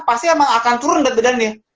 pasti emang akan turun bedanya